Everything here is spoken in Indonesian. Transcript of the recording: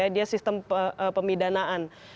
dia sistem pemidanaan